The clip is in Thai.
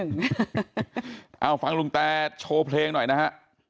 เอาฟังลุงแตโชว์เพลงหน่อยนะฮะ